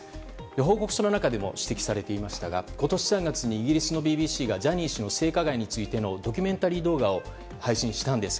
報告書の中でも指摘されていましたが今年３月に、イギリスのＢＢＣがジャニー氏の性加害についてのドキュメンタリー動画を配信したんです。